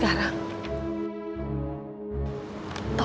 dan mulai sekarang